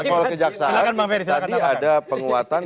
tadi ada penguatan